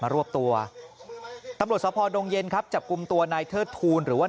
รวบตัวตำรวจสภดงเย็นครับจับกลุ่มตัวนายเทิดทูลหรือว่า